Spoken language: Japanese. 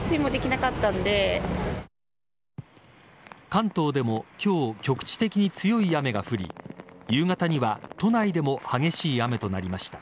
関東でも今日、局地的に強い雨が降り夕方には都内でも激しい雨となりました。